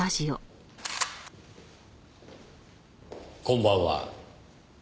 こんばんは。